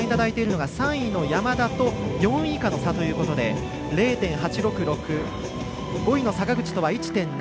３位の山田と４位以下の差ということで０．８６６、５位の坂口とは１．７６６。